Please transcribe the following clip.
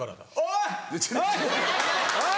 おい！」。